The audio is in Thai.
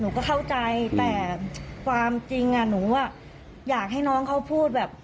หนูก็เข้าใจแต่ความจริงอ่ะหนูอ่ะอยากให้น้องเขาพูดแบบ